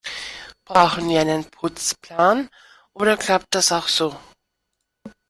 Brauchen wir einen Putzplan, oder klappt das auch so?